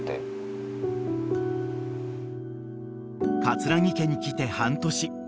［葛城家に来て半年］